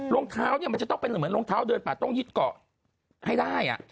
รองเท้าเนี่ยมันจะต้องเป็นเหมือนรองเท้าเดินป่าต้องยึดเกาะให้ได้